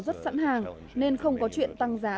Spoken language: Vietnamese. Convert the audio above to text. rất sẵn hàng nên không có chuyện tăng giá